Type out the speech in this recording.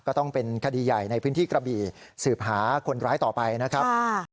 ก็ต้องเป็นคดีใหญ่ในพื้นที่กระบี่สืบหาคนร้ายต่อไปนะครับ